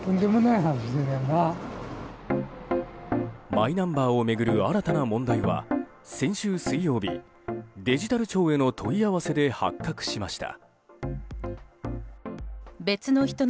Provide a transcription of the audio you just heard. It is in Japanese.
マイナンバーを巡る新たな問題は、先週水曜日デジタル庁への問い合わせで発覚しました。